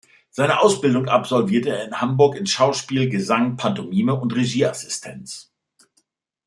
Seine Ausbildung absolvierte er in Hamburg in Schauspiel, Gesang, Pantomime und Regieassistenz.